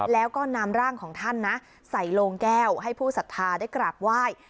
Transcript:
แล้วก็นำร่างของท่านนะใส่โลงแก้วให้ผู้ศรัทธาได้กราบไหว้